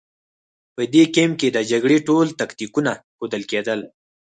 په دې کمپ کې د جګړې ټول تکتیکونه ښودل کېدل